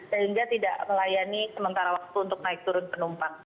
sehingga tidak melayani sementara waktu untuk naik turun penumpang